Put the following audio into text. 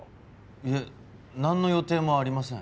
いえなんの予定もありません。